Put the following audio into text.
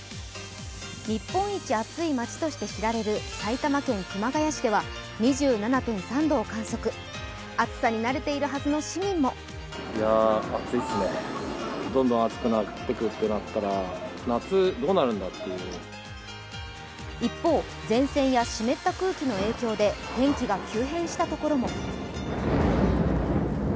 日本一暑い街として知られる埼玉県熊谷市では２７．３度を観測暑さに慣れているはずの市民も一方、前線や湿った空気の影響で天気が急変したところも。